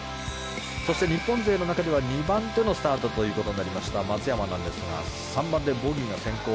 そして日本勢の中では２番手のスタートとなりました松山なんですが３番でボギーが先行。